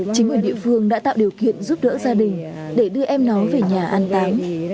chính quyền địa phương đã tạo điều kiện giúp đỡ gia đình để đưa em nó về nhà an táng